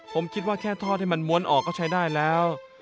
ผมคิดว่าแค่ทอดให้มันม้วนออกก็ใช้ได้แล้ว